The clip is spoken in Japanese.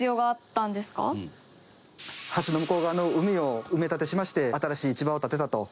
橋の向こう側の海を埋め立てしまして新しい市場を建てたと。